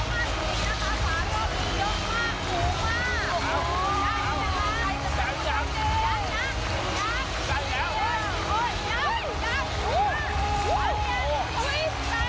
ปลอดภัยเลย